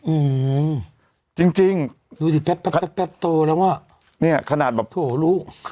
เอิงจริงดูซิแป๊บโตนะว่าเนี่ยคำนาจแบบโทษรู้